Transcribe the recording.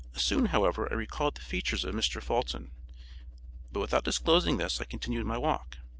Soon, however, I recalled the features of Mr. Fulton; but without disclosing this, I continued my walk.